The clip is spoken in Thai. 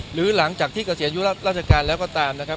หรือหลังจากที่เกษียณยุราชการแล้วก็ตามนะครับ